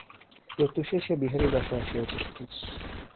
প্রত্যুষেই সে বিহারীর বাসায় আসিয়া উপস্থিত।